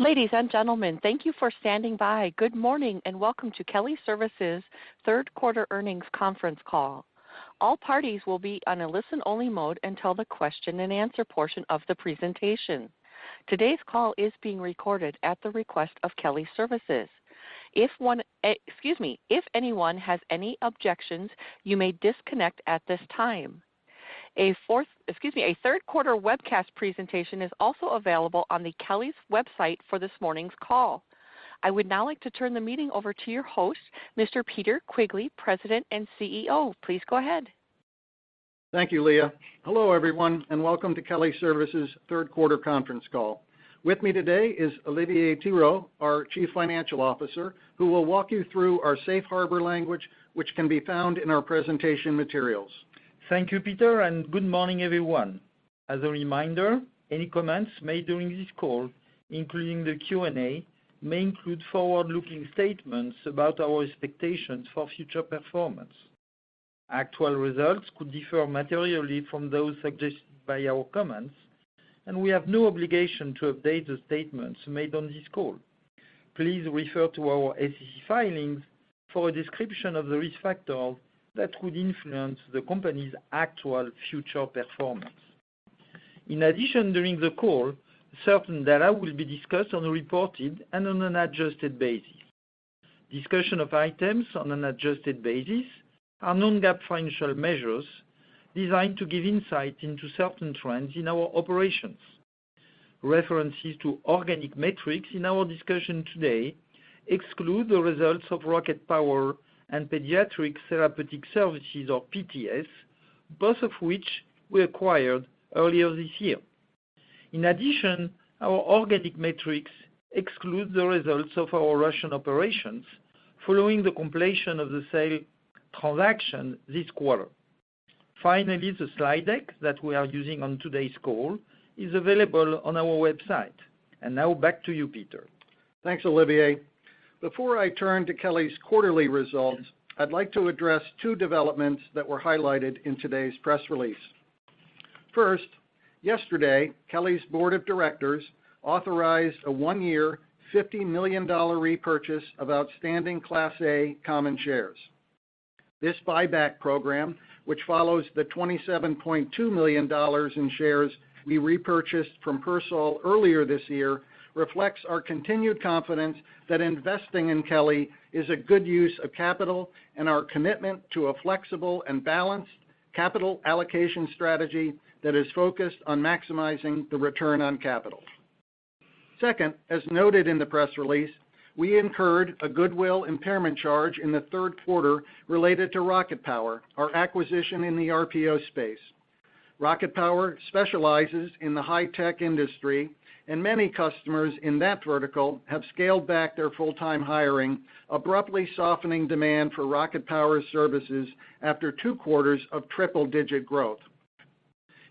Ladies and gentlemen, thank you for standing by. Good morning, and welcome to Kelly Services third quarter earnings conference call. All parties will be on a listen-only mode until the question-and-answer portion of the presentation. Today's call is being recorded at the request of Kelly Services. If anyone has any objections, you may disconnect at this time. A third quarter webcast presentation is also available on the Kelly's website for this morning's call. I would now like to turn the meeting over to your host, Mr. Peter Quigley, President and CEO. Please go ahead. Thank you, Leah. Hello, everyone, and welcome to Kelly Services third quarter conference call. With me today is Olivier Thirot, our Chief Financial Officer, who will walk you through our safe harbor language, which can be found in our presentation materials. Thank you, Peter, and good morning, everyone. As a reminder, any comments made during this call, including the Q&A, may include forward-looking statements about our expectations for future performance. Actual results could differ materially from those suggested by our comments, and we have no obligation to update the statements made on this call. Please refer to our SEC filings for a description of the risk factors that could influence the company's actual future performance. In addition, during the call, certain data will be discussed on a reported and on an adjusted basis. Discussion of items on an adjusted basis are non-GAAP financial measures designed to give insight into certain trends in our operations. References to organic metrics in our discussion today exclude the results of RocketPower and Pediatric Therapeutic Services or PTS, both of which we acquired earlier this year. In addition, our organic metrics exclude the results of our Russian operations following the completion of the sale transaction this quarter. Finally, the slide deck that we are using on today's call is available on our website. Now back to you, Peter. Thanks, Olivier. Before I turn to Kelly's quarterly results, I'd like to address two developments that were highlighted in today's press release. First, yesterday, Kelly's Board of Directors authorized a one-year $50 million repurchase of outstanding Class A common shares. This buyback program, which follows the $27.2 million in shares we repurchased from Persol earlier this year, reflects our continued confidence that investing in Kelly is a good use of capital and our commitment to a flexible and balanced capital allocation strategy that is focused on maximizing the return on capital. Second, as noted in the press release, we incurred a goodwill impairment charge in the third quarter related to RocketPower, our acquisition in the RPO space. RocketPower specializes in the high-tech industry, and many customers in that vertical have scaled back their full-time hiring, abruptly softening demand for RocketPower services after two quarters of triple-digit growth.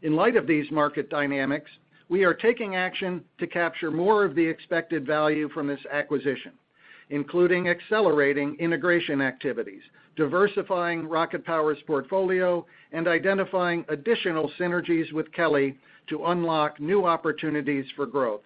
In light of these market dynamics, we are taking action to capture more of the expected value from this acquisition, including accelerating integration activities, diversifying RocketPower's portfolio, and identifying additional synergies with Kelly to unlock new opportunities for growth.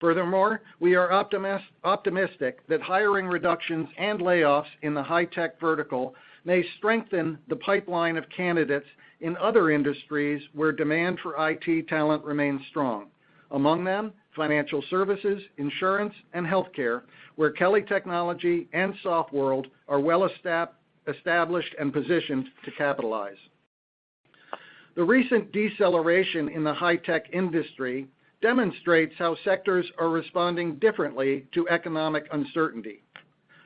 Furthermore, we are optimistic that hiring reductions and layoffs in the high-tech vertical may strengthen the pipeline of candidates in other industries where demand for IT talent remains strong. Among them, financial services, insurance, and healthcare, where Kelly Technology and Softworld are well established and positioned to capitalize. The recent deceleration in the high-tech industry demonstrates how sectors are responding differently to economic uncertainty.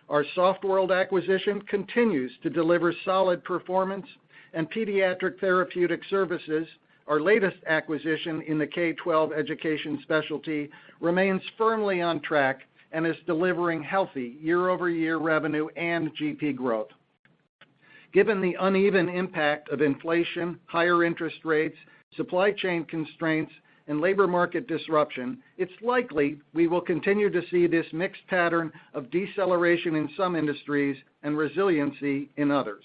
Our Softworld acquisition continues to deliver solid performance, and Pediatric Therapeutic Services, our latest acquisition in the K12 education specialty, remains firmly on track and is delivering healthy year-over-year revenue and GP growth. Given the uneven impact of inflation, higher interest rates, supply chain constraints, and labor market disruption, it's likely we will continue to see this mixed pattern of deceleration in some industries and resiliency in others.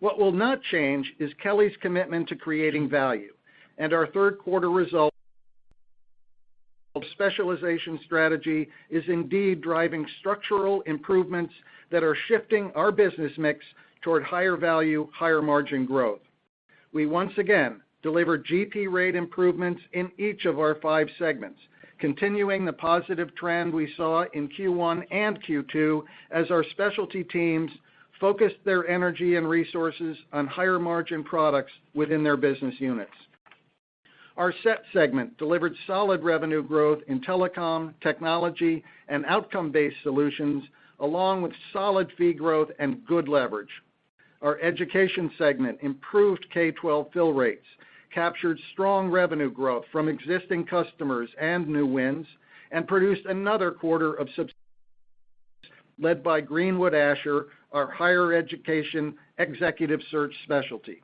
What will not change is Kelly's commitment to creating value, and our third quarter results specialization strategy is indeed driving structural improvements that are shifting our business mix toward higher value, higher margin growth. We once again delivered GP rate improvements in each of our five segments, continuing the positive trend we saw in Q1 and Q2 as our specialty teams focused their energy and resources on higher margin products within their business units. Our SET segment delivered solid revenue growth in telecom, technology, and outcome-based solutions, along with solid fee growth and good leverage. Our education segment improved K12 fill rates, captured strong revenue growth from existing customers and new wins, and produced another quarter of substantial growth led by Greenwood/Asher, our higher education executive search specialty.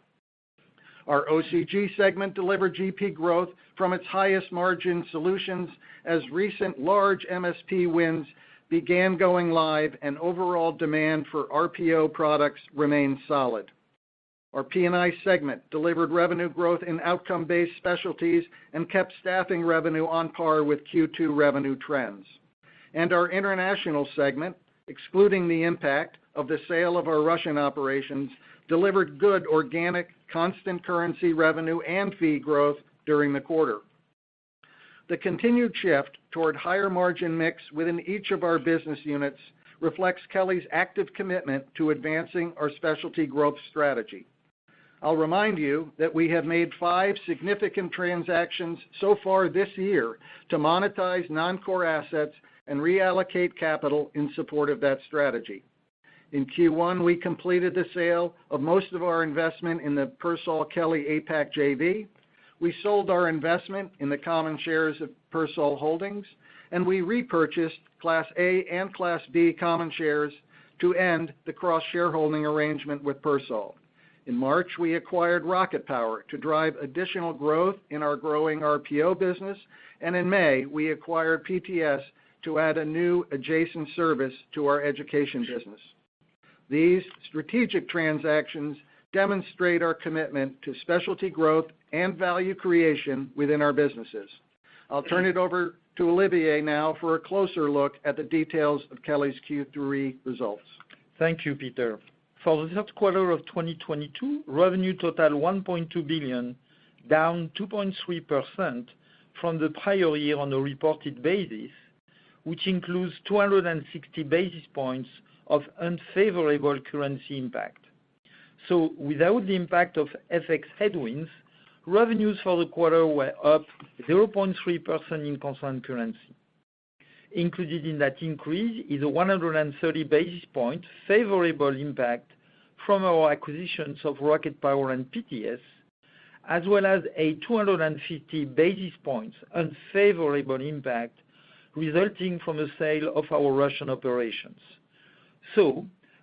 Our OCG segment delivered GP growth from its highest margin solutions as recent large MSP wins began going live and overall demand for RPO products remained solid. Our P&I segment delivered revenue growth in outcome-based specialties and kept staffing revenue on par with Q2 revenue trends. Our international segment, excluding the impact of the sale of our Russian operations, delivered good organic constant currency revenue and fee growth during the quarter. The continued shift toward higher margin mix within each of our business units reflects Kelly's active commitment to advancing our specialty growth strategy. I'll remind you that we have made five significant transactions so far this year to monetize non-core assets and reallocate capital in support of that strategy. In Q1, we completed the sale of most of our investment in the PersolKelly APAC JV. We sold our investment in the common shares of Persol Holdings, and we repurchased Class A and Class B common shares to end the cross-shareholding arrangement with Persol. In March, we acquired RocketPower to drive additional growth in our growing RPO business, and in May, we acquired PTS to add a new adjacent service to our education business. These strategic transactions demonstrate our commitment to specialty growth and value creation within our businesses. I'll turn it over to Olivier now for a closer look at the details of Kelly's Q3 results. Thank you, Peter. For the third quarter of 2022, revenue totaled $1.2 billion, down 2.3% from the prior year on a reported basis, which includes 260 basis points of unfavorable currency impact. Without the impact of FX headwinds, revenues for the quarter were up 0.3% in constant currency. Included in that increase is a 130 basis points favorable impact from our acquisitions of RocketPower and PTS, as well as a 250 basis points unfavorable impact resulting from the sale of our Russian operations.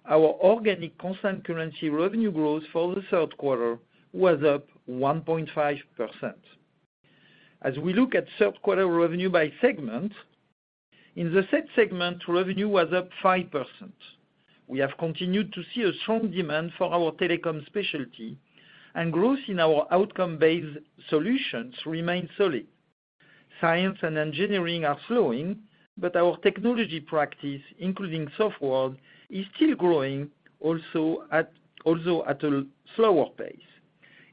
Our organic constant currency revenue growth for the third quarter was up 1.5%. As we look at third quarter revenue by segment, in the SET segment, revenue was up 5%. We have continued to see a strong demand for our telecom specialty, and growth in our outcome-based solutions remain solid. Science and engineering are slowing, but our technology practice, including software, is still growing, also at a slower pace.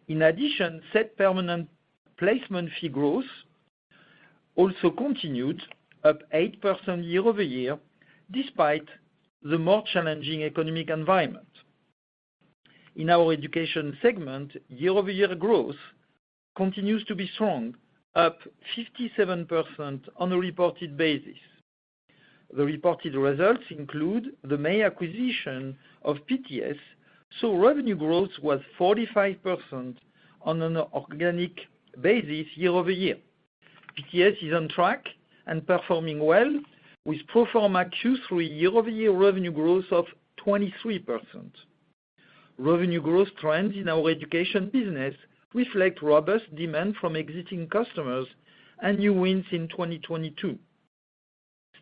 In addition, SET permanent placement fee growth also continued up 8% year-over-year, despite the more challenging economic environment. In our education segment, year-over-year growth continues to be strong, up 57% on a reported basis. The reported results include the May acquisition of PTS, so revenue growth was 45% on an organic basis year-over-year. PTS is on track and performing well, with pro forma Q3 year-over-year revenue growth of 23%. Revenue growth trends in our education business reflect robust demand from existing customers and new wins in 2022.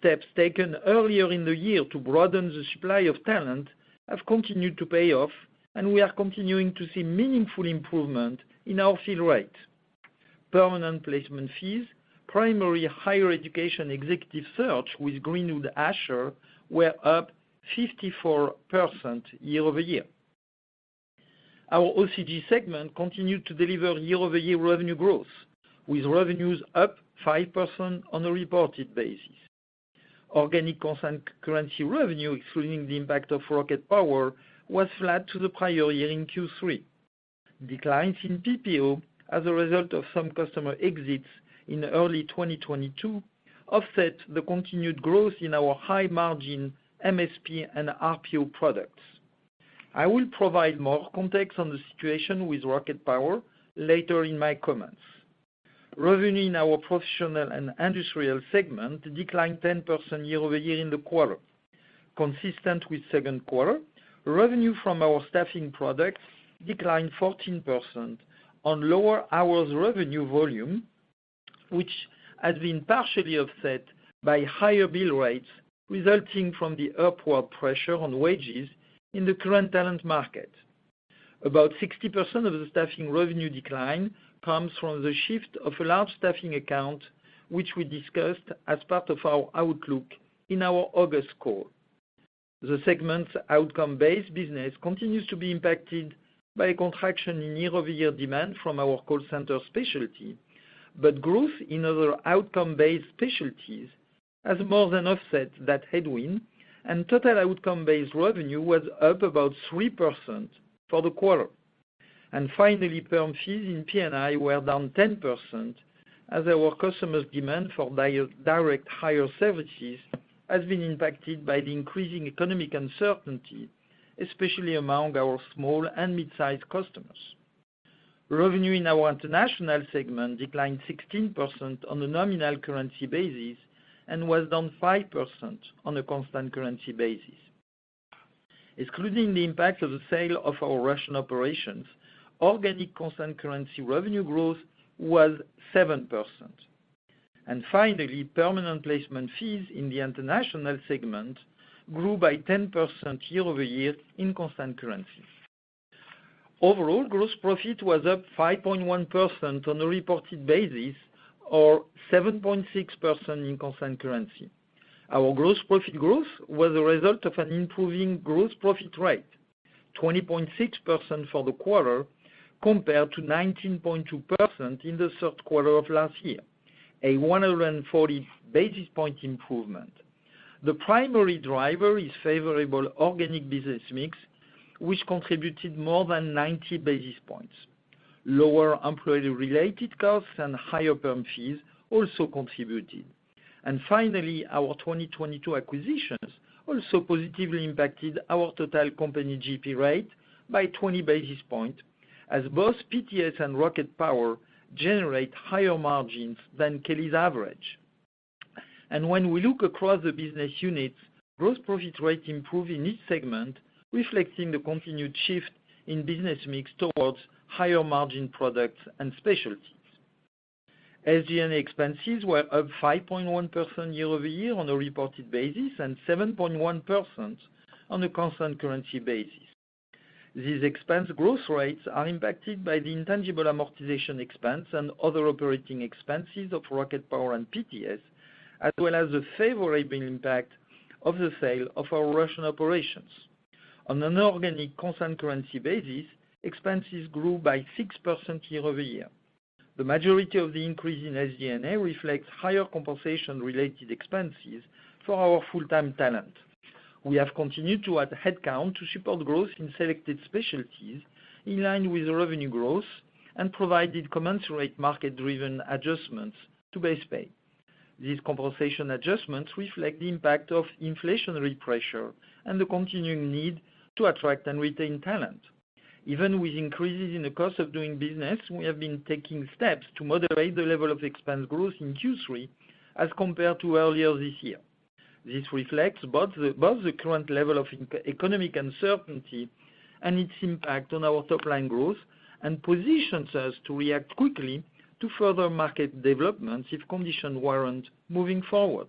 Steps taken earlier in the year to broaden the supply of talent have continued to pay off, and we are continuing to see meaningful improvement in our fill rate. Permanent placement fees, primary higher education executive search with Greenwood/Asher were up 54% year-over-year. Our OCG segment continued to deliver year-over-year revenue growth, with revenues up 5% on a reported basis. Organic constant currency revenue, excluding the impact of RocketPower, was flat to the prior year in Q3. Declines in PPO as a result of some customer exits in early 2022 offset the continued growth in our high-margin MSP and RPO products. I will provide more context on the situation with RocketPower later in my comments. Revenue in our professional and industrial segment declined 10% year-over-year in the quarter. Consistent with second quarter, revenue from our staffing products declined 14% on lower hours revenue volume, which has been partially offset by higher bill rates resulting from the upward pressure on wages in the current talent market. About 60% of the staffing revenue decline comes from the shift of a large staffing account, which we discussed as part of our outlook in our August call. The segment's outcome-based business continues to be impacted by a contraction in year-over-year demand from our call center specialty, but growth in other outcome-based specialties has more than offset that headwind, and total outcome-based revenue was up about 3% for the quarter. Finally, perm fees in P&I were down 10% as our customers' demand for direct hire services has been impacted by the increasing economic uncertainty, especially among our small and mid-sized customers. Revenue in our international segment declined 16% on a nominal currency basis and was down 5% on a constant currency basis. Excluding the impact of the sale of our Russian operations, organic constant currency revenue growth was 7%. Finally, permanent placement fees in the international segment grew by 10% year-over-year in constant currency. Overall, gross profit was up 5.1% on a reported basis or 7.6% in constant currency. Our gross profit growth was a result of an improving gross profit rate, 20.6% for the quarter compared to 19.2% in the third quarter of last year, a 140 basis points improvement. The primary driver is favorable organic business mix, which contributed more than 90 basis points. Lower employee-related costs and higher perm fees also contributed. Finally, our 2022 acquisitions also positively impacted our total company GP rate by 20 basis points as both PTS and RocketPower generate higher margins than Kelly's average. When we look across the business units, gross profit rate improved in each segment, reflecting the continued shift in business mix towards higher margin products and specialties. SG&A expenses were up 5.1% year-over-year on a reported basis and 7.1% on a constant currency basis. These expense growth rates are impacted by the intangible amortization expense and other operating expenses of RocketPower and PTS, as well as the favorable impact of the sale of our Russian operations. On an organic constant currency basis, expenses grew by 6% year-over-year. The majority of the increase in SG&A reflects higher compensation-related expenses for our full-time talent. We have continued to add headcount to support growth in selected specialties in line with revenue growth and provided commensurate market-driven adjustments to base pay. These compensation adjustments reflect the impact of inflationary pressure and the continuing need to attract and retain talent. Even with increases in the cost of doing business, we have been taking steps to moderate the level of expense growth in Q3 as compared to earlier this year. This reflects both the current level of economic uncertainty and its impact on our top line growth and positions us to react quickly to further market developments if conditions warrant moving forward.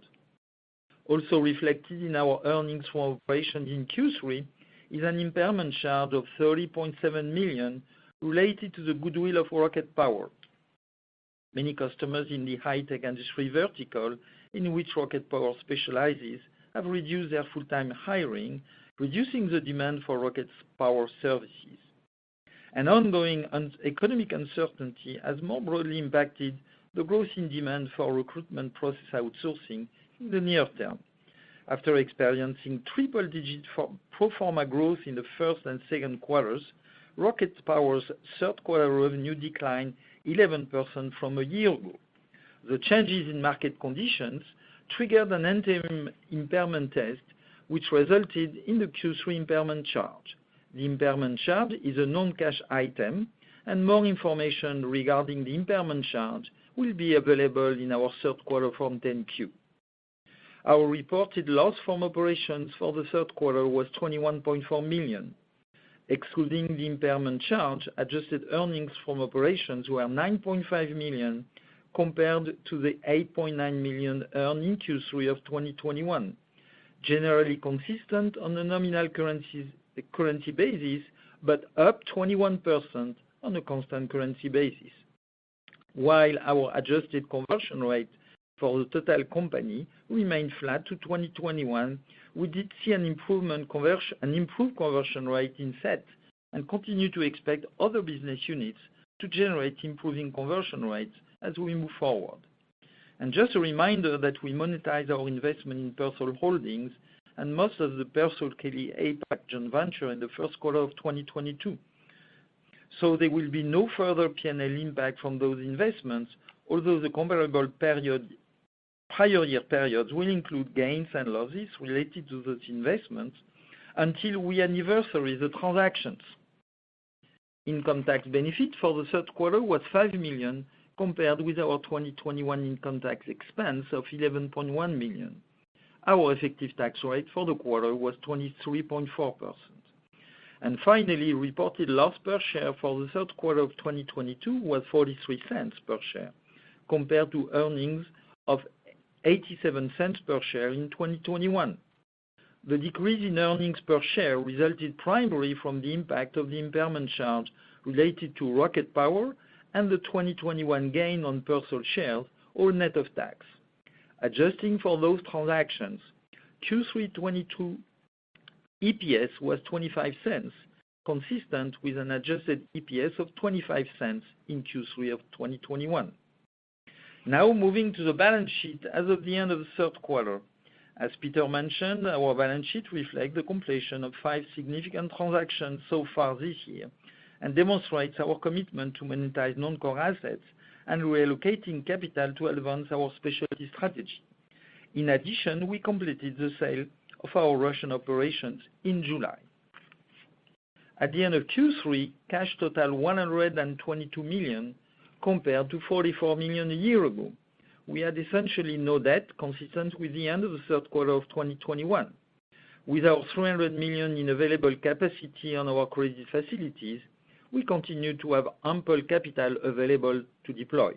Also reflected in our earnings from operations in Q3 is an impairment charge of $30.7 million related to the goodwill of RocketPower. Many customers in the high-tech industry vertical in which RocketPower specializes have reduced their full-time hiring, reducing the demand for RocketPower services. An ongoing economic uncertainty has more broadly impacted the growth in demand for recruitment process outsourcing in the near term. After experiencing triple-digit pro forma growth in the first and second quarters, RocketPower's third quarter revenue declined 11% from a year ago. The changes in market conditions triggered an interim impairment test, which resulted in the Q3 impairment charge. The impairment charge is a non-cash item, and more information regarding the impairment charge will be available in our third quarter Form 10-Q. Our reported loss from operations for the third quarter was $21.4 million. Excluding the impairment charge, adjusted earnings from operations were $9.5 million compared to the $8.9 million earned in Q3 of 2021, generally consistent on a nominal currencies, currency basis but up 21% on a constant currency basis. While our adjusted conversion rate for the total company remained flat to 2021, we did see an improvement an improved conversion rate in SET and continue to expect other business units to generate improving conversion rates as we move forward. Just a reminder that we monetize our investment in Persol Holdings and most of the PersolKelly APAC joint venture in the first quarter of 2022. There will be no further P&L impact from those investments, although the comparable period, prior year periods will include gains and losses related to those investments until we anniversary the transactions. Income tax benefit for the third quarter was $5 million compared with our 2021 income tax expense of $11.1 million. Our effective tax rate for the quarter was 23.4%. Finally, reported loss per share for the third quarter of 2022 was $0.43 per share compared to earnings of $0.87 per share in 2021. The decrease in earnings per share resulted primarily from the impact of the impairment charge related to RocketPower and the 2021 gain on Persol shares net of tax. Adjusting for those transactions, Q3 2022 EPS was $0.25, consistent with an adjusted EPS of $0.25 in Q3 of 2021. Now moving to the balance sheet as of the end of the third quarter. As Peter mentioned, our balance sheet reflects the completion of five significant transactions so far this year and demonstrates our commitment to monetize non-core assets and relocating capital to advance our specialty strategy. In addition, we completed the sale of our Russian operations in July. At the end of Q3, cash totaled $122 million compared to $44 million a year ago. We had essentially no debt consistent with the end of the third quarter of 2021. With our $300 million in available capacity on our credit facilities, we continue to have ample capital available to deploy.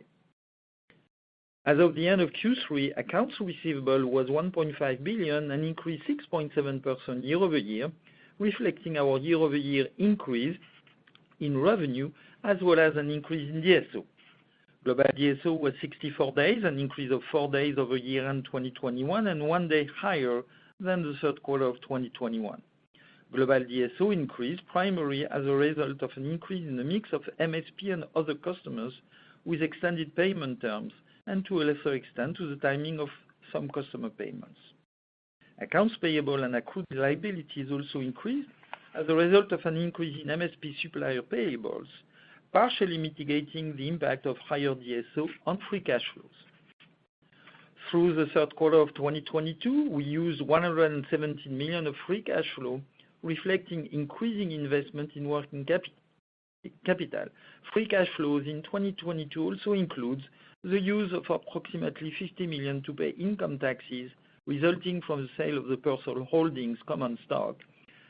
As of the end of Q3, accounts receivable was $1.5 billion, an increase 6.7% year-over-year, reflecting our year-over-year increase in revenue as well as an increase in DSO. Global DSO was 64 days, an increase of four days over year-end 2021, and one day higher than the third quarter of 2021. Global DSO increased primarily as a result of an increase in the mix of MSP and other customers with extended payment terms, and to a lesser extent, to the timing of some customer payments. Accounts payable and accrued liabilities also increased as a result of an increase in MSP supplier payables, partially mitigating the impact of higher DSO on free cash flows. Through the third quarter of 2022, we used $117 million of free cash flow, reflecting increasing investment in working capital. Free cash flows in 2022 also includes the use of approximately $50 million to pay income taxes resulting from the sale of the Persol Holdings common stock,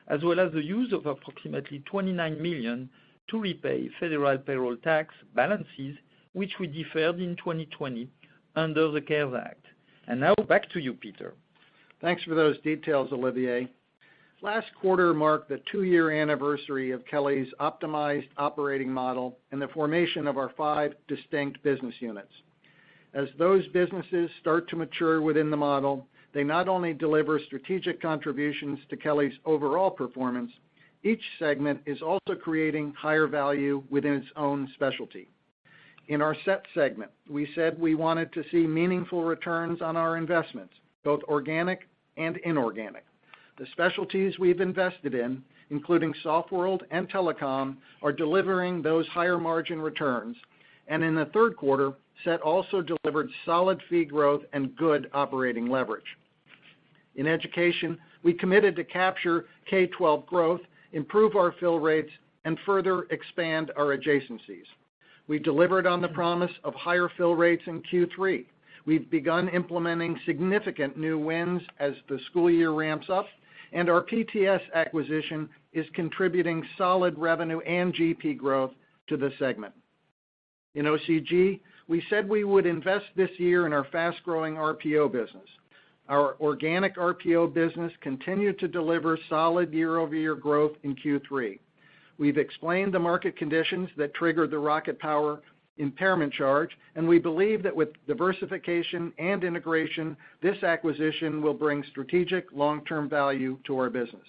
as well as the use of approximately $29 million to repay federal payroll tax balances, which we deferred in 2020 under the CARES Act. Now back to you, Peter. Thanks for those details, Olivier. Last quarter marked the two-year anniversary of Kelly's optimized operating model and the formation of our five distinct business units. As those businesses start to mature within the model, they not only deliver strategic contributions to Kelly's overall performance, each segment is also creating higher value within its own specialty. In our SET segment, we said we wanted to see meaningful returns on our investments, both organic and inorganic. The specialties we've invested in, including Softworld and Telecom, are delivering those higher margin returns. In the third quarter, SET also delivered solid fee growth and good operating leverage. In education, we committed to capture K-12 growth, improve our fill rates, and further expand our adjacencies. We delivered on the promise of higher fill rates in Q3. We've begun implementing significant new wins as the school year ramps up, and our PTS acquisition is contributing solid revenue and GP growth to the segment. In OCG, we said we would invest this year in our fast-growing RPO business. Our organic RPO business continued to deliver solid year-over-year growth in Q3. We've explained the market conditions that triggered the RocketPower impairment charge, and we believe that with diversification and integration, this acquisition will bring strategic long-term value to our business.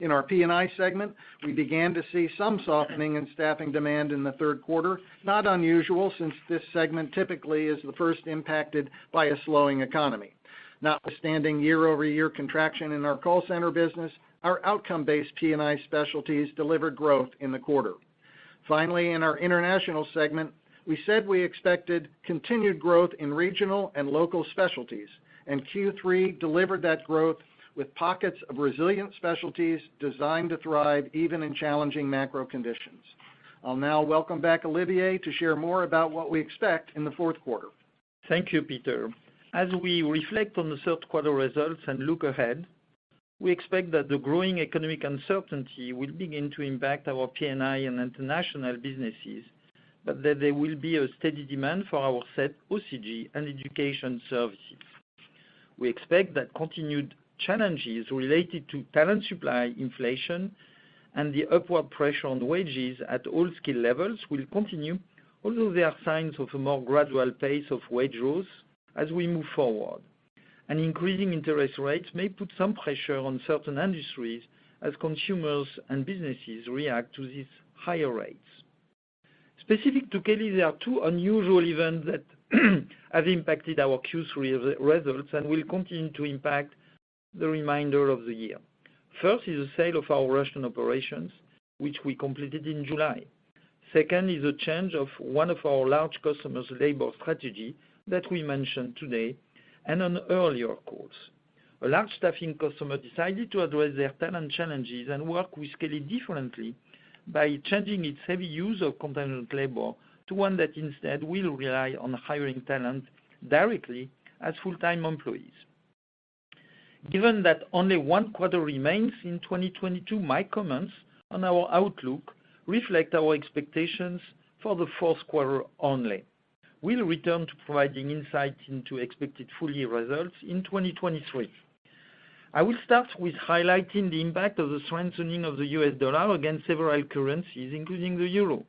In our P&I segment, we began to see some softening in staffing demand in the third quarter. Not unusual, since this segment typically is the first impacted by a slowing economy. Notwithstanding year-over-year contraction in our call center business, our outcome-based P&I specialties delivered growth in the quarter. Finally, in our international segment, we said we expected continued growth in regional and local specialties, and Q3 delivered that growth with pockets of resilient specialties designed to thrive even in challenging macro conditions. I'll now welcome back Olivier to share more about what we expect in the fourth quarter. Thank you, Peter. As we reflect on the third quarter results and look ahead, we expect that the growing economic uncertainty will begin to impact our P&I and international businesses, but that there will be a steady demand for our SET, OCG, and education services. We expect that continued challenges related to talent supply inflation and the upward pressure on wages at all skill levels will continue, although there are signs of a more gradual pace of wage growth as we move forward. Increasing interest rates may put some pressure on certain industries as consumers and businesses react to these higher rates. Specific to Kelly, there are two unusual events that have impacted our Q3 results and will continue to impact the remainder of the year. First is the sale of our Russian operations, which we completed in July. Second is a change of one of our large customers' labor strategy that we mentioned today and on earlier calls. A large staffing customer decided to address their talent challenges and work with Kelly differently by changing its heavy use of continental labor to one that instead will rely on hiring talent directly as full-time employees. Given that only one quarter remains in 2022, my comments on our outlook reflect our expectations for the fourth quarter only. We'll return to providing insight into expected full-year results in 2023. I will start with highlighting the impact of the strengthening of the U.S. dollar against several currencies, including the euro.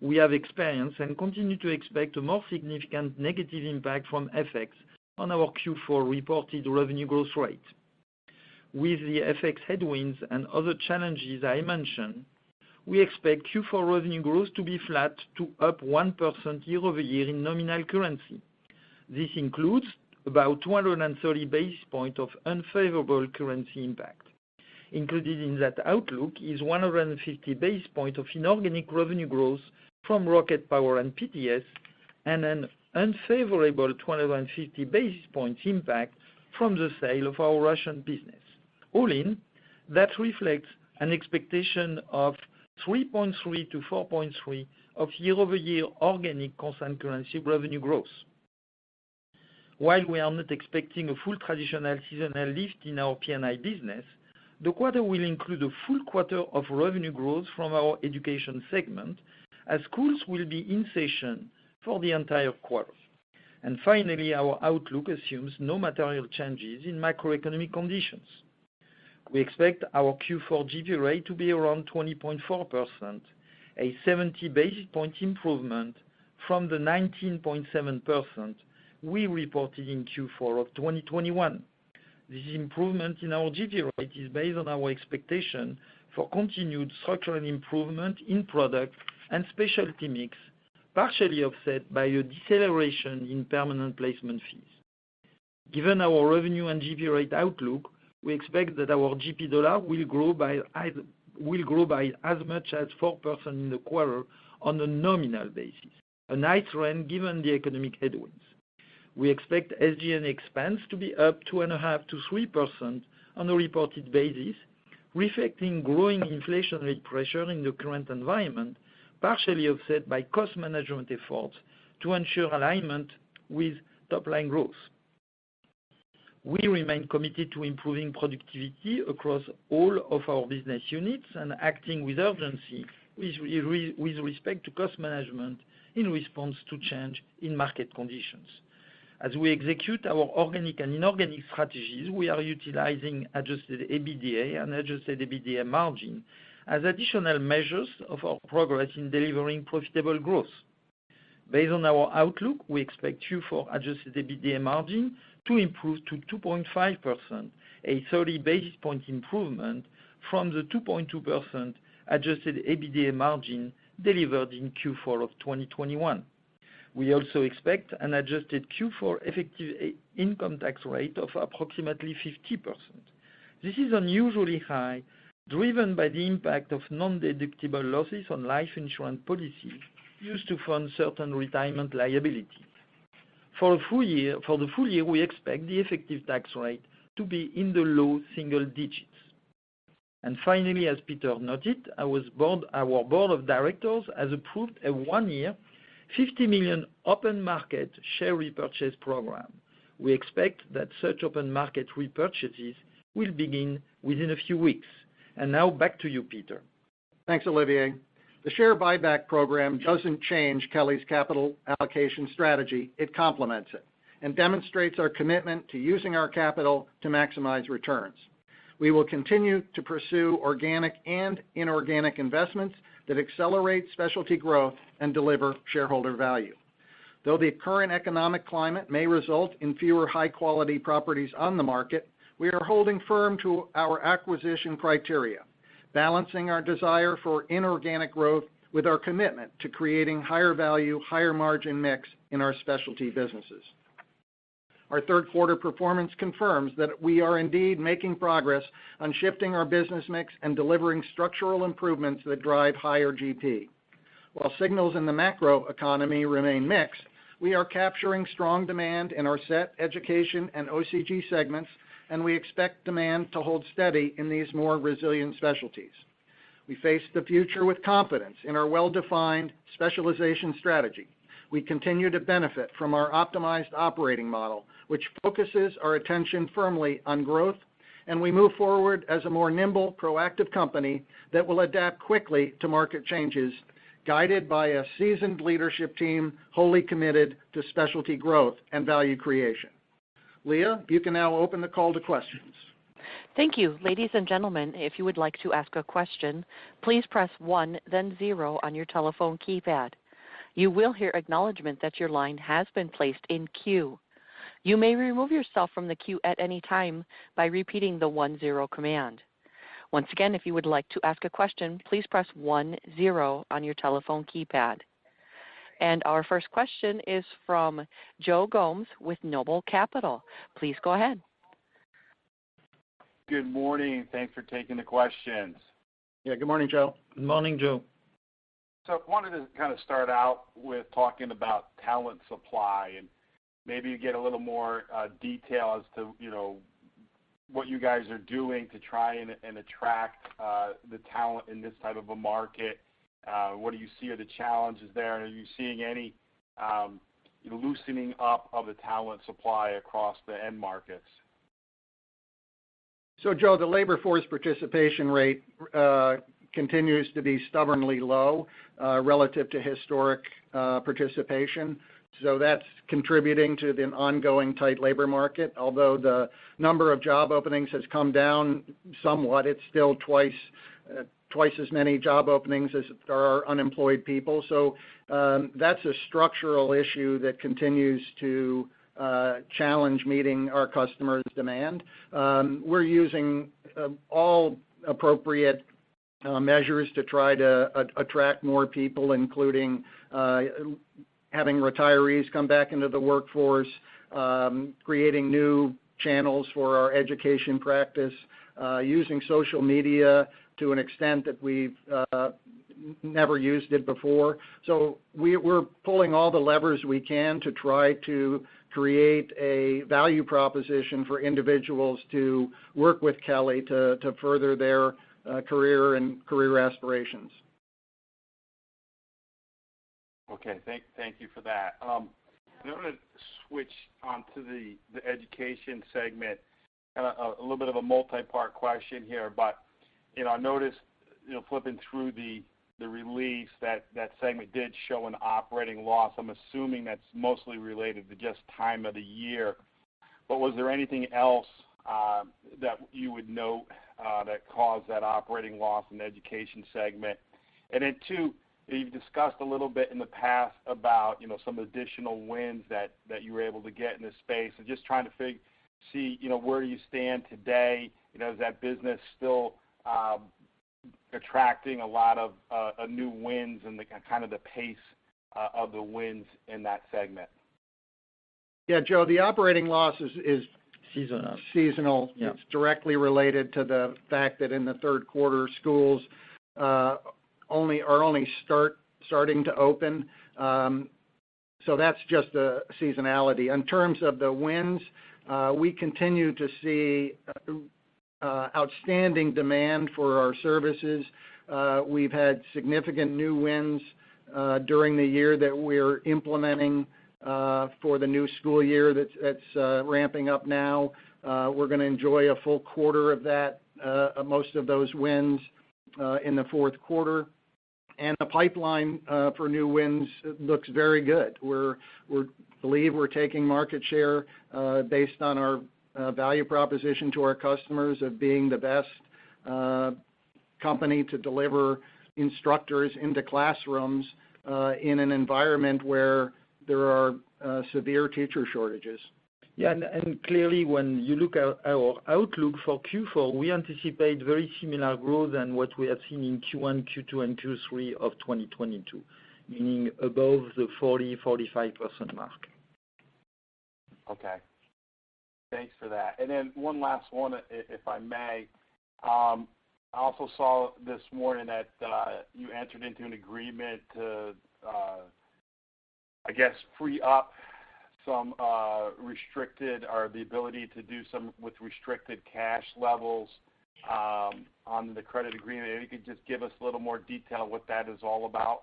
We have experienced and continue to expect a more significant negative impact from FX on our Q4 reported revenue growth rate. With the FX headwinds and other challenges I mentioned, we expect Q4 revenue growth to be flat to up 1% year-over-year in nominal currency. This includes about 230 basis points of unfavorable currency impact. Included in that outlook is 150 basis points of inorganic revenue growth from RocketPower and PTS and an unfavorable 250 basis points impact from the sale of our Russian business. All in, that reflects an expectation of 3.3%-4.3% year-over-year organic constant currency revenue growth. While we are not expecting a full traditional seasonal lift in our P&I business, the quarter will include a full quarter of revenue growth from our education segment as schools will be in session for the entire quarter. Finally, our outlook assumes no material changes in macroeconomic conditions. We expect our Q4 GP rate to be around 20.4%, a 70 basis point improvement from the 19.7% we reported in Q4 of 2021. This improvement in our GP rate is based on our expectation for continued structural improvement in product and specialty mix, partially offset by a deceleration in permanent placement fees. Given our revenue and GP rate outlook, we expect that our GP dollar will grow by as much as 4% in the quarter on a nominal basis, a nice trend given the economic headwinds. We expect SG&A expense to be up 2.5%-3% on a reported basis, reflecting growing inflationary pressure in the current environment, partially offset by cost management efforts to ensure alignment with top line growth. We remain committed to improving productivity across all of our business units and acting with urgency with respect to cost management in response to changes in market conditions. As we execute our organic and inorganic strategies, we are utilizing adjusted EBITDA and adjusted EBITDA margin as additional measures of our progress in delivering profitable growth. Based on our outlook, we expect Q4 adjusted EBITDA margin to improve to 2.5%, a 30 basis points improvement from the 2.2% adjusted EBITDA margin delivered in Q4 of 2021. We also expect an adjusted Q4 effective income tax rate of approximately 50%. This is unusually high, driven by the impact of non-deductible losses on life insurance policies used to fund certain retirement liabilities. For the full year, we expect the effective tax rate to be in the low single digits. Finally, as Peter noted, our board of directors has approved a one-year, $50 million open market share repurchase program. We expect that such open market repurchases will begin within a few weeks. Now back to you, Peter. Thanks, Olivier. The share buyback program doesn't change Kelly's capital allocation strategy, it complements it, and demonstrates our commitment to using our capital to maximize returns. We will continue to pursue organic and inorganic investments that accelerate specialty growth and deliver shareholder value. Though the current economic climate may result in fewer high-quality properties on the market, we are holding firm to our acquisition criteria, balancing our desire for inorganic growth with our commitment to creating higher value, higher margin mix in our specialty businesses. Our third quarter performance confirms that we are indeed making progress on shifting our business mix and delivering structural improvements that drive higher GP. While signals in the macroeconomy remain mixed, we are capturing strong demand in our SET, education, and OCG segments, and we expect demand to hold steady in these more resilient specialties. We face the future with confidence in our well-defined specialization strategy. We continue to benefit from our optimized operating model, which focuses our attention firmly on growth, and we move forward as a more nimble, proactive company that will adapt quickly to market changes, guided by a seasoned leadership team wholly committed to specialty growth and value creation. Leah, you can now open the call to questions. Thank you. Ladies and gentlemen, if you would like to ask a question, please press one, then zero on your telephone keypad. You will hear acknowledgment that your line has been placed in queue. You may remove yourself from the queue at any time by repeating the one-zero command. Once again, if you would like to ask a question, please press one, zero on your telephone keypad. Our first question is from Joe Gomes with Noble Capital. Please go ahead. Good morning. Thanks for taking the questions. Yeah. Good morning, Joe. Good morning, Joe. I wanted to kind of start out with talking about talent supply and maybe get a little more detail as to, you know, what you guys are doing to try and attract the talent in this type of a market. What do you see are the challenges there? Are you seeing any loosening up of the talent supply across the end markets? Joe, the labor force participation rate continues to be stubbornly low relative to historic participation. That's contributing to the ongoing tight labor market. Although the number of job openings has come down somewhat, it's still twice as many job openings as there are unemployed people. That's a structural issue that continues to challenge meeting our customers' demand. We're using all appropriate measures to try to attract more people, including having retirees come back into the workforce, creating new channels for our education practice, using social media to an extent that we've never used it before. We're pulling all the levers we can to try to create a value proposition for individuals to work with Kelly to further their career aspirations. Okay. Thank you for that. Now I'm gonna switch on to the education segment. Kinda a little bit of a multipart question here, but you know, I noticed, you know, flipping through the release that that segment did show an operating loss. I'm assuming that's mostly related to just time of the year. Was there anything else that you would note that caused that operating loss in the education segment? Two, you've discussed a little bit in the past about, you know, some additional wins that you were able to get in this space. Just trying to see, you know, where you stand today. You know, is that business still attracting a lot of new wins and the kind of the pace of the wins in that segment? Yeah, Joe, the operating loss is. Seasonal seasonal. Yeah. It's directly related to the fact that in the third quarter, schools are only starting to open. That's just a seasonality. In terms of the wins, we continue to see outstanding demand for our services. We've had significant new wins during the year that we're implementing for the new school year that's ramping up now. We're gonna enjoy a full quarter of that, most of those wins, in the fourth quarter. The pipeline for new wins looks very good. We believe we're taking market share based on our value proposition to our customers of being the best company to deliver instructors into classrooms in an environment where there are severe teacher shortages. Clearly, when you look at our outlook for Q4, we anticipate very similar growth than what we have seen in Q1, Q2, and Q3 of 2022, meaning above the 40%-45% mark. Okay. Thanks for that. One last one, if I may. I also saw this morning that you entered into an agreement to, I guess, free up some restricted or the ability to do some with restricted cash levels on the credit agreement. Maybe you could just give us a little more detail what that is all about.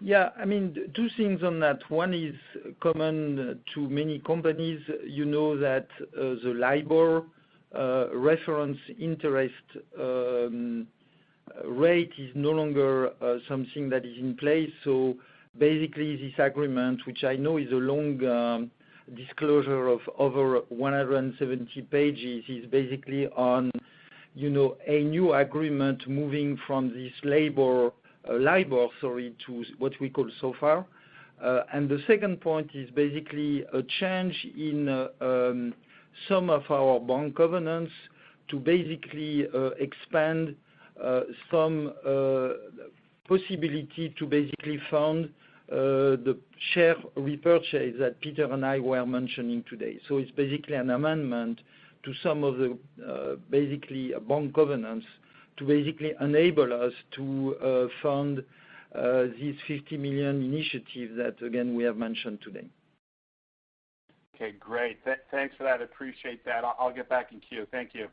Yeah. I mean, two things on that. One is common to many companies. You know that, the LIBOR reference interest rate is no longer something that is in place. Basically, this agreement, which I know is a long disclosure of over 170 pages, is basically on, you know, a new agreement moving from this LIBOR, sorry, to what we call SOFR. The second point is basically a change in some of our bank governance to basically expand some possibility to basically fund the share repurchase that Peter and I were mentioning today. It's basically an amendment to some of the bank governance to basically enable us to fund this $50 million initiative that, again, we have mentioned today. Okay, great. Thanks for that. Appreciate that. I'll get back in queue. Thank you.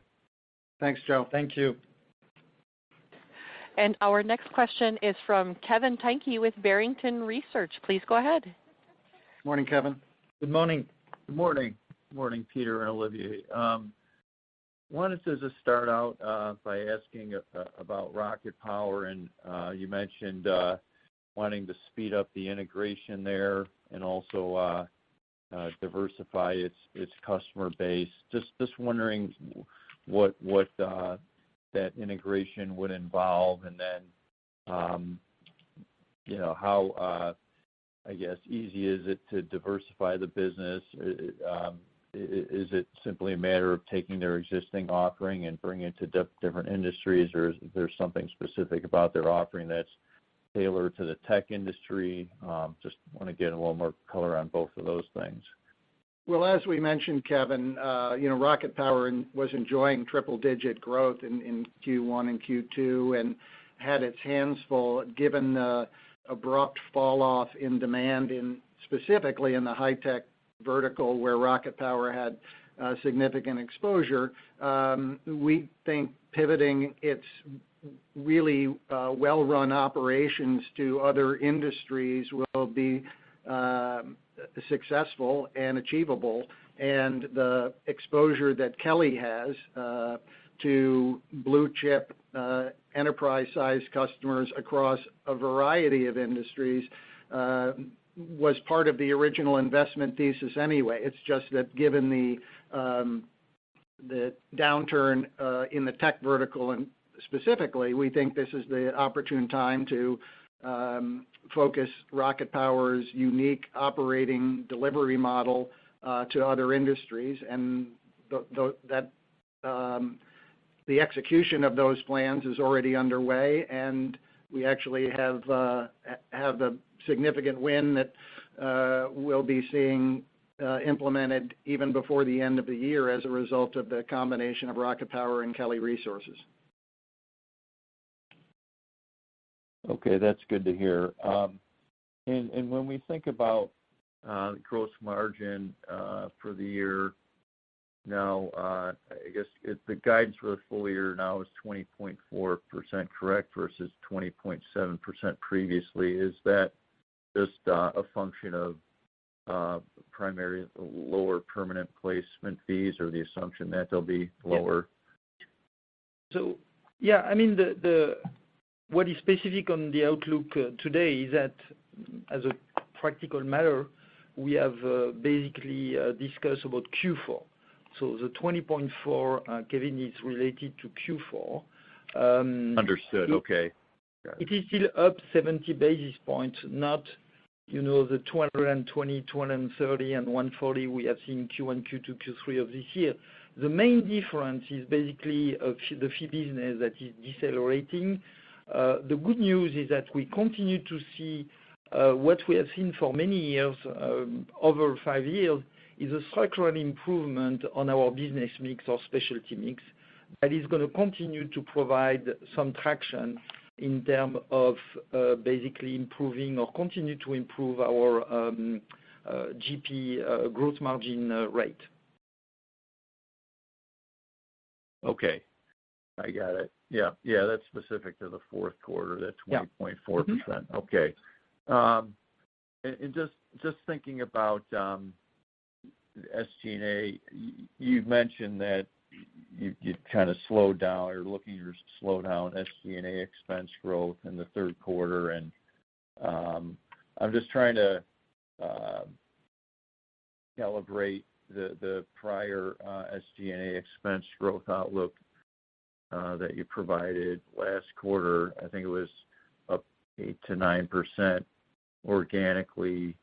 Thanks, Joe. Thank you. Our next question is from Kevin Steinke with Barrington Research. Please go ahead. Morning, Kevin. Good morning. Good morning. Morning, Peter and Olivier. Wanted to just start out by asking about RocketPower, and diversify its customer base. Just wondering what that integration would involve. You know, how, I guess, easy is it to diversify the business? Is it simply a matter of taking their existing offering and bringing it to different industries, or is there something specific about their offering that's tailored to the tech industry? Just wanna get a little more color on both of those things. Well, as we mentioned, Kevin, you know, RocketPower was enjoying triple-digit growth in Q1 and Q2 and had its hands full, given the abrupt falloff in demand in, specifically in the high-tech vertical where RocketPower had significant exposure. We think pivoting its really well-run operations to other industries will be successful and achievable. The exposure that Kelly has to blue-chip enterprise-sized customers across a variety of industries was part of the original investment thesis anyway. It's just that given the downturn in the tech vertical and specifically, we think this is the opportune time to focus RocketPower's unique operating delivery model to other industries. That the execution of those plans is already underway, and we actually have a significant win that we'll be seeing implemented even before the end of the year as a result of the combination of RocketPower and Kelly Resources. Okay, that's good to hear. When we think about gross margin for the year. Now, I guess if the guidance for the full year now is 20.4% correct versus 20.7% previously, is that just a function of primarily lower permanent placement fees or the assumption that they'll be lower? Yeah, I mean, what is specific on the outlook today is that as a practical matter, we have basically discussed about Q4. The 20.4%, Kevin, is related to Q4. Understood. Okay. It is still up 70 basis points, not the 220, 230, and 140 we have seen Q1, Q2, Q3 of this year. The main difference is basically the fee business that is decelerating. The good news is that we continue to see what we have seen for many years, over five years, is a structural improvement on our business mix or specialty mix that is gonna continue to provide some traction in terms of basically improving or continue to improve our GP growth margin rate. Okay. I got it. Yeah. Yeah, that's specific to the fourth quarter. Yeah. That 20.4%. Mm-hmm. Okay. Just thinking about SG&A, you've mentioned that you've kind of slowed down or looking to slow down SG&A expense growth in the third quarter. I'm just trying to calibrate the prior SG&A expense growth outlook that you provided last quarter. I think it was up 8%-9% organically.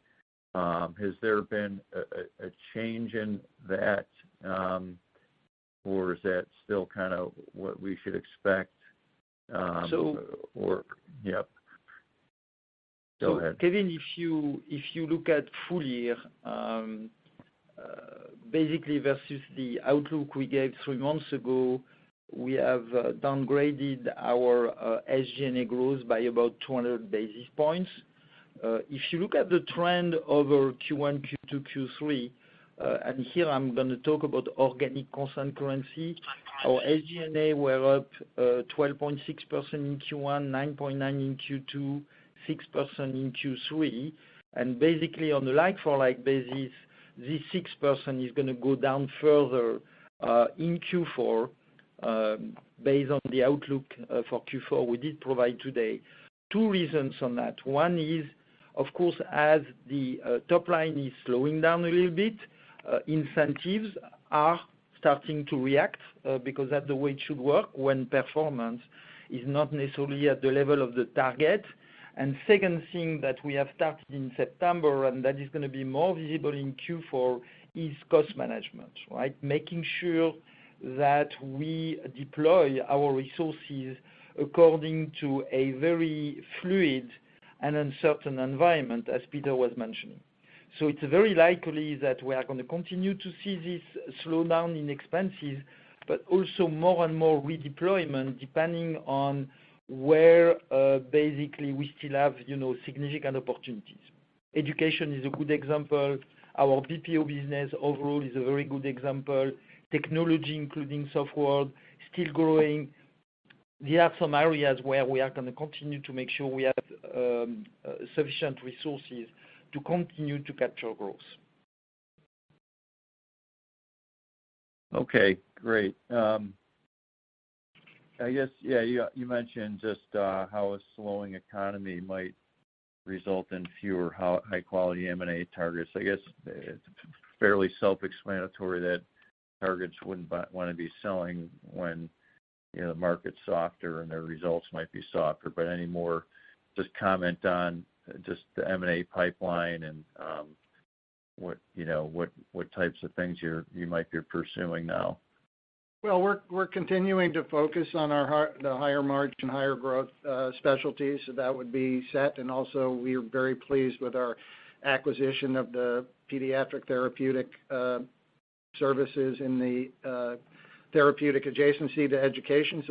Has there been a change in that, or is that still kind of what we should expect? So- Yep. Go ahead. Kevin, if you look at full year, basically versus the outlook we gave three months ago, we have downgraded our SG&A growth by about 200 basis points. If you look at the trend over Q1, Q2, Q3, and here I'm gonna talk about organic constant currency, our SG&A were up 12.6% in Q1, 9.9% in Q2, 6% in Q3. Basically, on a like for like basis, this 6% is gonna go down further in Q4, based on the outlook for Q4 we did provide today. Two reasons on that. One is, of course, as the top line is slowing down a little bit, incentives are starting to react, because that's the way it should work when performance is not necessarily at the level of the target. Second thing that we have started in September and that is gonna be more visible in Q4 is cost management, right? Making sure that we deploy our resources according to a very fluid and uncertain environment, as Peter was mentioning. It's very likely that we are gonna continue to see this slowdown in expenses, but also more and more redeployment depending on where, basically we still have, you know, significant opportunities. Education is a good example. Our BPO business overall is a very good example. Technology, including software, still growing. There are some areas where we are gonna continue to make sure we have sufficient resources to continue to capture growth. Okay, great. I guess, yeah, you mentioned just how a slowing economy might result in fewer high quality M&A targets. I guess it's fairly self-explanatory that targets wouldn't wanna be selling when, you know, the market's softer and their results might be softer. Any more just comment on just the M&A pipeline and, what, you know, what types of things you're, you might be pursuing now? We're continuing to focus on the higher margin, higher growth specialties, so that would be SET. We are very pleased with our acquisition of the Pediatric Therapeutic Services in the therapeutic adjacency to education.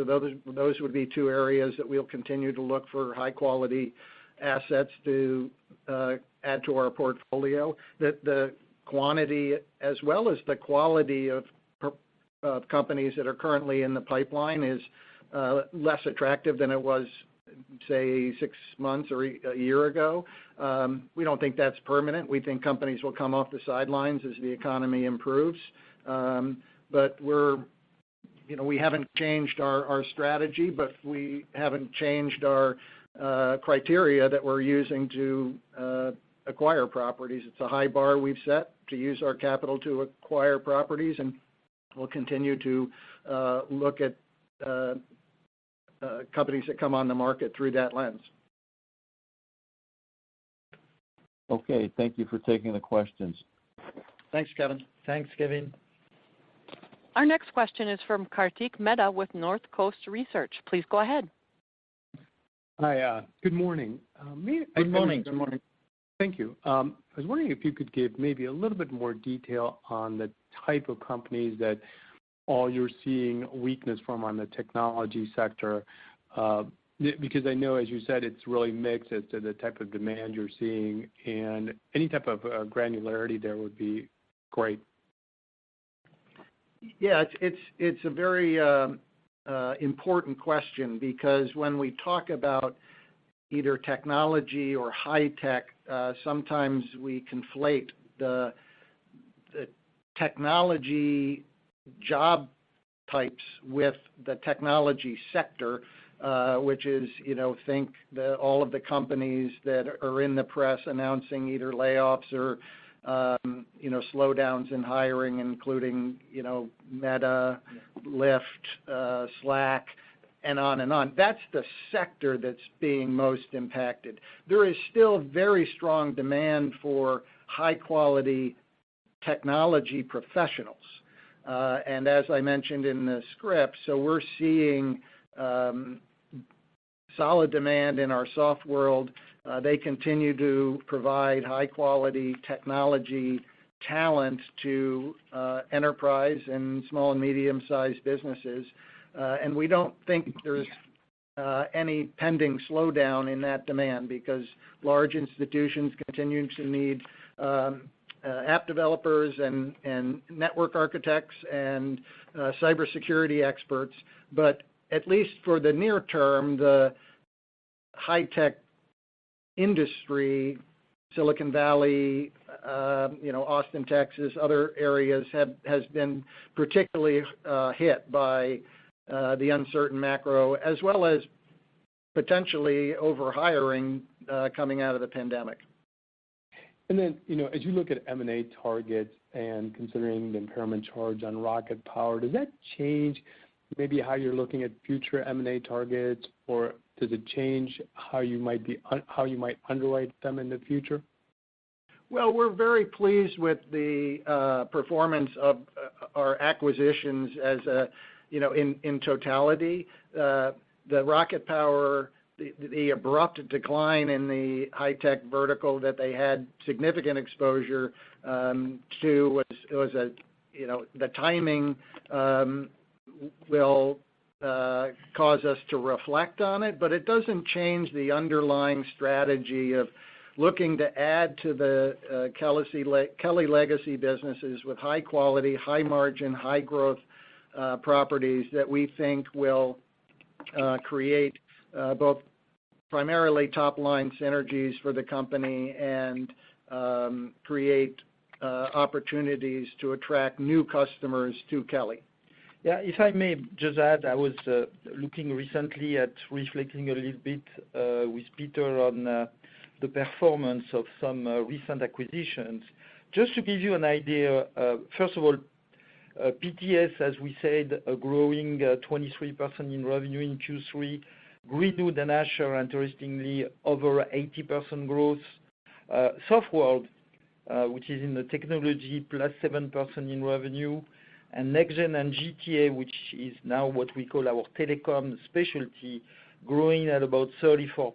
Those would be two areas that we'll continue to look for high quality assets to add to our portfolio. The quantity as well as the quality of companies that are currently in the pipeline is less attractive than it was, say, six months or a year ago. We don't think that's permanent. We think companies will come off the sidelines as the economy improves. We're, you know, we haven't changed our strategy, but we haven't changed our criteria that we're using to acquire properties. It's a high bar we've set to use our capital to acquire properties, and we'll continue to look at companies that come on the market through that lens. Okay, thank you for taking the questions. Thanks, Kevin. Thanks, Kevin. Our next question is from Kartik Mehta with Northcoast Research. Please go ahead. Hi. Good morning. Good morning. Good morning. Thank you. I was wondering if you could give maybe a little bit more detail on the type of companies that all you're seeing weakness from in the technology sector, because I know, as you said, it's really mixed as to the type of demand you're seeing. Any type of granularity there would be great. Yeah. It's a very important question because when we talk about either technology or high-tech, sometimes we conflate the technology job types with the technology sector, which is, you know, all of the companies that are in the press announcing either layoffs or, you know, slowdowns in hiring, including, you know, Meta, Lyft, Slack, and on and on. That's the sector that's being most impacted. There is still very strong demand for high-quality technology professionals. As I mentioned in the script, we're seeing solid demand in our Softworld. They continue to provide high-quality technology talent to enterprise and small, medium-sized businesses. We don't think there's any pending slowdown in that demand because large institutions continue to need app developers and network architects and cybersecurity experts. At least for the near term, the high-tech industry, Silicon Valley, you know, Austin, Texas, other areas have been particularly hit by the uncertain macro, as well as potentially over-hiring coming out of the pandemic. You know, as you look at M&A targets and considering the impairment charge on RocketPower, does that change maybe how you're looking at future M&A targets, or does it change how you might underwrite them in the future? Well, we're very pleased with the performance of our acquisitions as you know, in totality. The RocketPower, the abrupt decline in the high-tech vertical that they had significant exposure to was a, you know, the timing will cause us to reflect on it, but it doesn't change the underlying strategy of looking to add to the Kelly legacy businesses with high quality, high margin, high growth properties that we think will create both primarily top-line synergies for the company and create opportunities to attract new customers to Kelly. Yeah, if I may just add, I was looking recently at reflecting a little bit with Peter on the performance of some recent acquisitions. Just to give you an idea, first of all, PTS, as we said, are growing 23% in revenue in Q3. Greenwood & Asher, interestingly, over 80% growth. Softworld, which is in the technology, +7% in revenue. NextGen and GTA, which is now what we call our telecom specialty, growing at about 34%.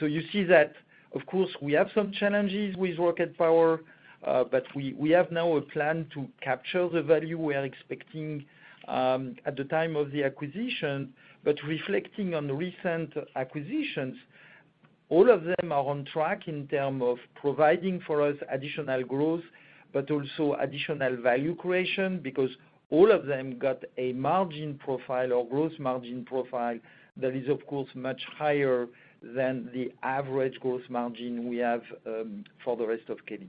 You see that, of course, we have some challenges with RocketPower, but we have now a plan to capture the value we are expecting at the time of the acquisition. Reflecting on recent acquisitions, all of them are on track in terms of providing for us additional growth, but also additional value creation because all of them got a margin profile or growth margin profile that is, of course, much higher than the average growth margin we have for the rest of Kelly.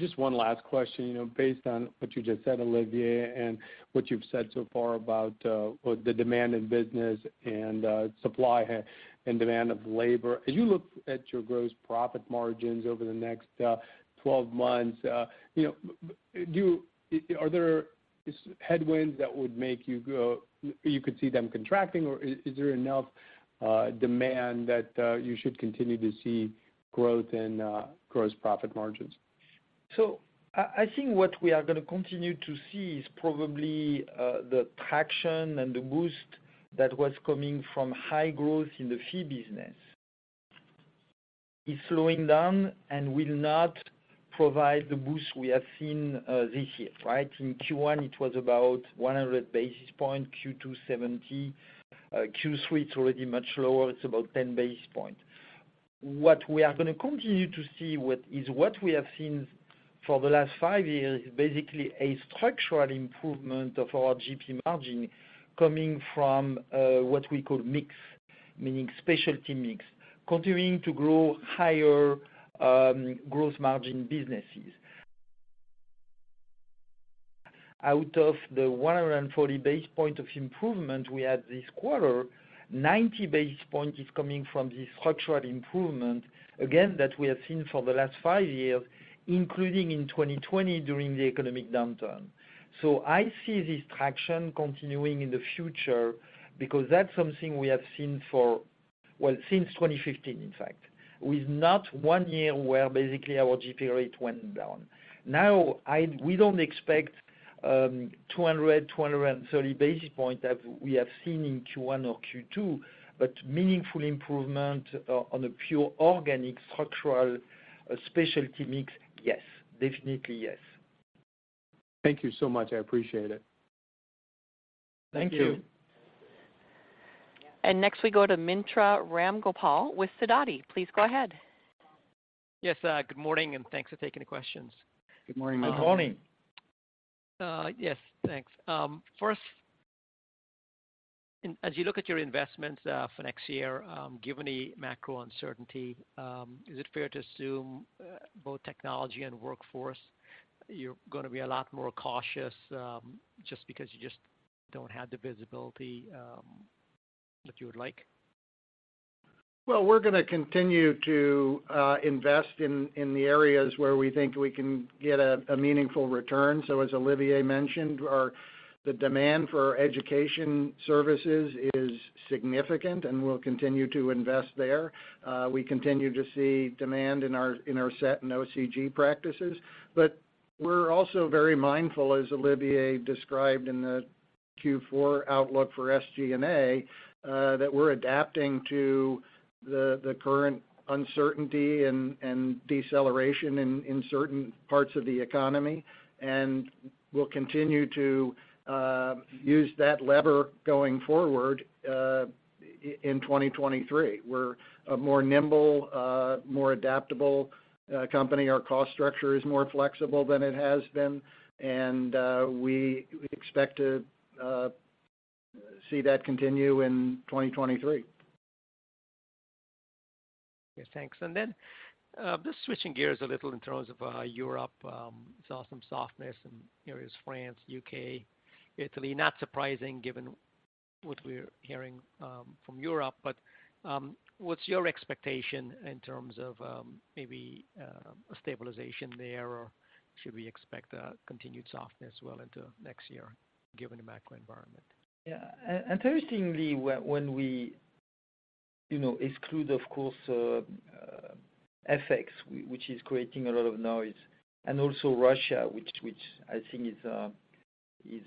Just one last question. You know, based on what you just said, Olivier, and what you've said so far about the demand in business and supply and demand of labor, as you look at your gross profit margins over the next 12 months, you know, are there headwinds that would make you go, you could see them contracting, or is there enough demand that you should continue to see growth in gross profit margins? I think what we are gonna continue to see is probably the traction and the boost that was coming from high growth in the fee business is slowing down and will not provide the boost we have seen this year, right? In Q1, it was about 100 basis points, Q2 70. Q3, it's already much lower. It's about 10 basis points. What we are gonna continue to see with is what we have seen for the last five years, basically a structural improvement of our GP margin coming from what we call mix, meaning specialty mix, continuing to grow higher growth margin businesses. Out of the 140 basis points of improvement we had this quarter, 90 basis points is coming from the structural improvement, again, that we have seen for the last five years, including in 2020 during the economic downturn. I see this traction continuing in the future because that's something we have seen for, well, since 2015, in fact, with not one year where basically our GP rate went down. Now, we don't expect 230 basis points that we have seen in Q1 or Q2, but meaningful improvement on a pure organic structural specialty mix, yes. Definitely yes. Thank you so much. I appreciate it. Thank you. Next we go to Mitra Ramgopal with Sidoti. Please go ahead. Yes, good morning, and thanks for taking the questions. Good morning. Good morning. Yes, thanks. First, as you look at your investments for next year, given the macro uncertainty, is it fair to assume both technology and workforce, you're gonna be a lot more cautious just because you just don't have the visibility that you would like? Well, we're gonna continue to invest in the areas where we think we can get a meaningful return. As Olivier mentioned, the demand for education services is significant, and we'll continue to invest there. We continue to see demand in our SET and OCG practices. We're also very mindful, as Olivier described in the Q4 outlook for SG&A, that we're adapting to the current uncertainty and deceleration in certain parts of the economy. We'll continue to use that lever going forward in 2023. We're a more nimble, more adaptable company. Our cost structure is more flexible than it has been, and we expect to see that continue in 2023. Yes, thanks. Just switching gears a little in terms of Europe. Saw some softness in areas France, U.K., Italy. Not surprising given what we're hearing from Europe, but what's your expectation in terms of maybe a stabilization there or should we expect a continued softness well into next year given the macro environment? Yeah. Interestingly, when we, you know, exclude, of course, FX, which is creating a lot of noise, and also Russia, which I think is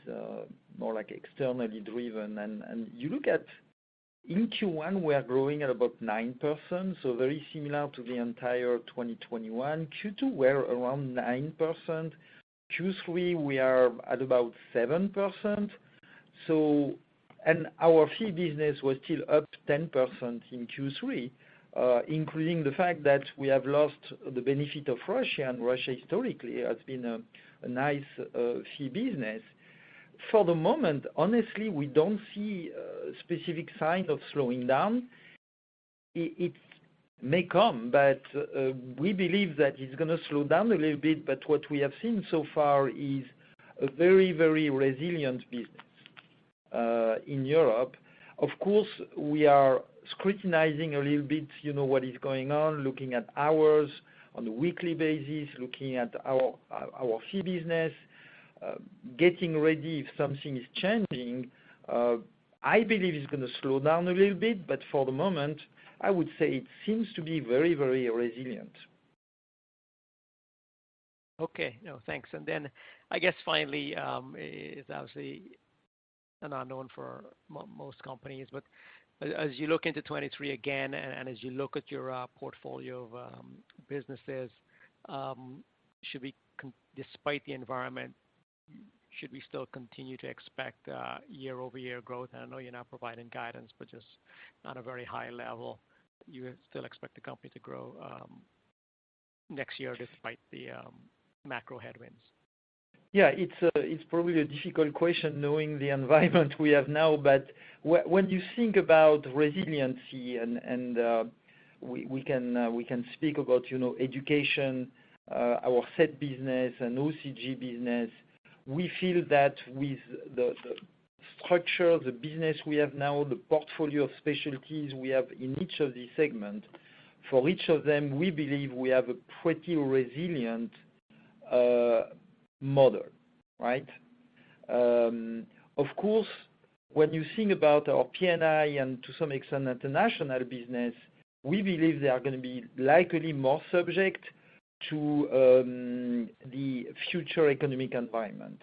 more like externally driven. You look at in Q1, we are growing at about 9%, so very similar to the entire 2021. Q2 we're around 9%. Q3 we are at about 7%. So. Our fee business was still up 10% in Q3, including the fact that we have lost the benefit of Russia, and Russia historically has been a nice fee business. For the moment, honestly, we don't see specific signs of slowing down. It may come, but we believe that it's gonna slow down a little bit, but what we have seen so far is a very resilient business in Europe. Of course, we are scrutinizing a little bit, you know, what is going on, looking at hours on a weekly basis, looking at our fee business, getting ready if something is changing. I believe it's gonna slow down a little bit, but for the moment, I would say it seems to be very, very resilient. Okay. No, thanks. I guess finally, it's obviously an unknown for most companies, but as you look into 2023 again and as you look at your portfolio of businesses, despite the environment, should we still continue to expect year-over-year growth? I know you're not providing guidance, but just on a very high level, you still expect the company to grow next year despite the macro headwinds. Yeah. It's probably a difficult question knowing the environment we have now. When you think about resiliency and we can speak about, you know, education, our SET business and OCG business. We feel that with the structure, the business we have now, the portfolio of specialties we have in each of these segments, for each of them, we believe we have a pretty resilient model, right? Of course, when you think about our P&I and to some extent international business, we believe they are gonna be likely more subject to the future economic environment.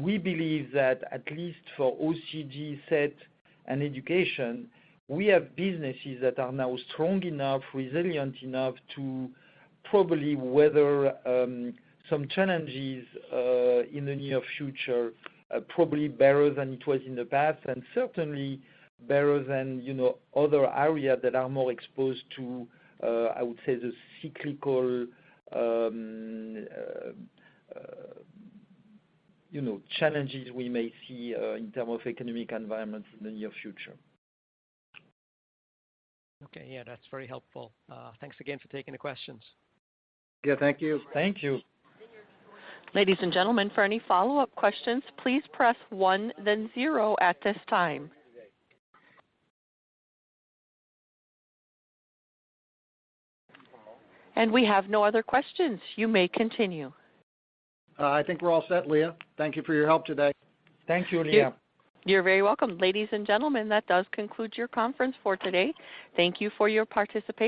We believe that at least for OCG, SET, and education, we have businesses that are now strong enough, resilient enough to probably weather some challenges in the near future, probably better than it was in the past, and certainly better than, you know, other areas that are more exposed to, I would say the cyclical, you know, challenges we may see in terms of economic environment in the near future. Okay. Yeah. That's very helpful. Thanks again for taking the questions. Yeah. Thank you. Thank you. Ladies and gentlemen, for any follow-up questions, please press one then zero at this time. We have no other questions. You may continue. I think we're all set, Leah. Thank you for your help today. Thank you, Leah. You're very welcome. Ladies and gentlemen, that does conclude your conference for today. Thank you for your participation.